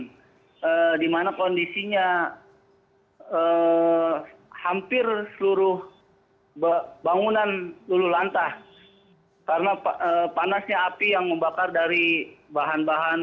nah di mana kondisinya hampir seluruh bangunan lululantah karena panasnya api yang membakar dari bahan bahan